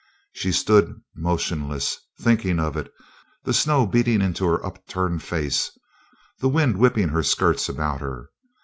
She stood motionless thinking of it, the snow beating into her upturned face, the wind whipping her skirts about her.